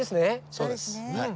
そうです。